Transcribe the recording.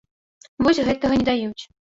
Вось гэтага не даюць.